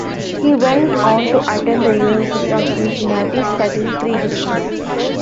He went on to attend the University of Cincinnati, studying pre-business.